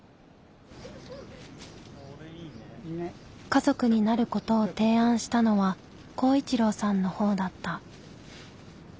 家族になることを提案したのは公一郎さんの方だった。